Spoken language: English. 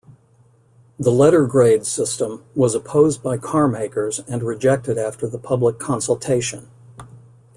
The letter grade system was opposed by carmakers and rejected after the public consultation.